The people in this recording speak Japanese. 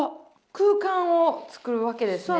空間をつくるわけですね。